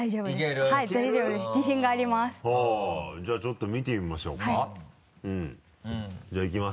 じゃあちょっと見てみましょうかはい。